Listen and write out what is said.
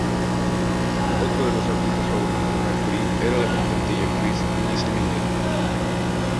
Otro de los artistas favoritos de Mercury era la cantante y actriz Liza Minnelli.